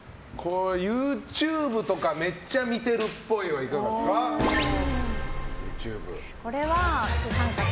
ＹｏｕＴｕｂｅとかめっちゃ見てるっぽいはこれは△。